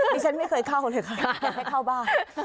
ดิฉันไม่เคยเข้าเลยค่ะยังไม่เข้าบ้าน